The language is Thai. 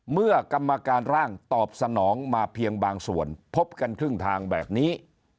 เมื่อกรรมการร่างตอบสนองมาเพียงบางส่วนพบกันครึ่งทางแบบนี้